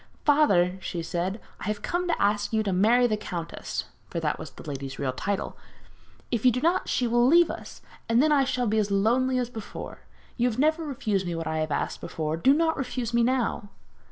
'Father,' she said, 'I have come to ask you to marry the countess' (for that was the lady's real title) 'if you do not she will leave us, and then I shall be as lonely as before. You have never refused me what I have asked before, do not refuse me now.'